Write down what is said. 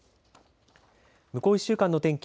向こう１週間の天気